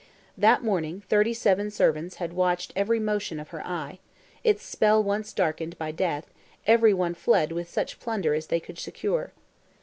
That morning thirty seven servants had watched every motion of her eye: its spell once darkened by death, every one fled with such plunder as they could secure.